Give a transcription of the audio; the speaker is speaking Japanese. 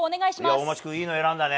大町君、いいの選んだね。